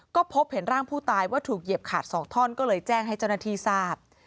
ก็พบเห็นร่างผู้ตายว่าถูกเหยียบขาด๒ท่อนก็เลยแจ้งให้เจ้าหน้าที่ทราบ